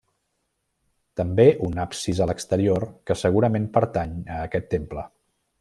També un absis a l'exterior, que segurament pertany a aquest temple.